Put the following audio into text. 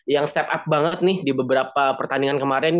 yang step up banget nih di beberapa pertandingan kemarin